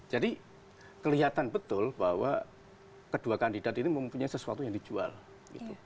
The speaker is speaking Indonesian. jadi kelihatan betul bahwa kedua kandidat ini mempunyai sesuatu yang dijual gitu